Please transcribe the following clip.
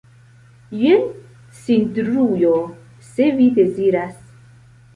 Jen cindrujo, se vi deziras.